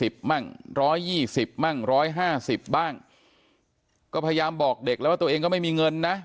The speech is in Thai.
๒๐บ้าง๑๒๐บ้าง๑๕๐บ้างก็พยายามบอกเด็กแล้วว่าตัวเองก็ไม่มีเงินนะ